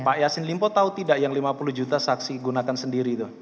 pak yassin limpo tahu tidak yang lima puluh juta saksi gunakan sendiri itu